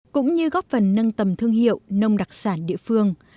cũng như góp phần nâng tầm thương hiệu nông đặc sản địa phương